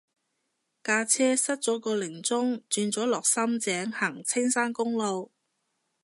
架車塞咗個零鐘轉咗落深井行青山公路